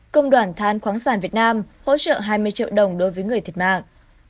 công đoàn than khoáng sản việt nam hỗ trợ hai mươi triệu đồng đối với người thiệt mạng